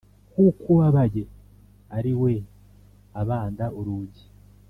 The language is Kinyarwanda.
Kukubabaye ariwe abanda urugi